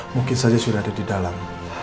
mungkin saja sudah ada di dalam